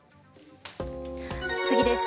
次です。